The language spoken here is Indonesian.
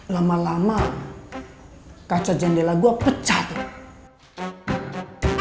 lama lama kaca jendela gue pecah tuh